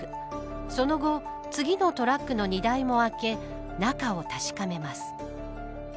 その後次のトラックの荷台も開け中を確かめます。